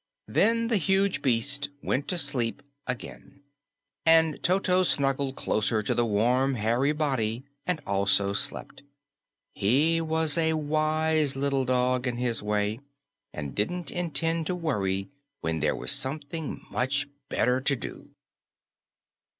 Then the huge beast went to sleep again, and Toto snuggled closer to the warm, hairy body and also slept. He was a wise little dog in his way, and didn't intend to worry when there was something much better to do.